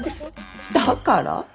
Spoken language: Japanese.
だから？